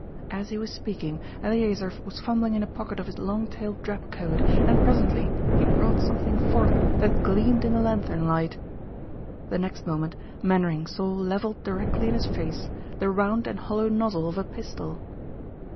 As he was speaking Eleazer was fumbling in a pocket of his long tailed drab coat, and presently he brought something forth that gleamed in the lanthorn light. The next moment Mainwaring saw leveled directly in his face the round and hollow nozzle of a pistol.